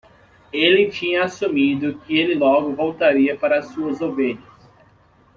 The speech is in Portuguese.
Ele tinha assumido que ele logo voltaria para suas ovelhas.